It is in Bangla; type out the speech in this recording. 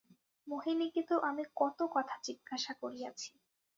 মোহিনীকে তো আমি কত কথা জিজ্ঞাসা করিয়াছি।